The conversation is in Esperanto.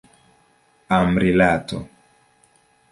Amrilato.